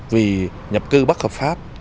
vì nhập cư bất hợp pháp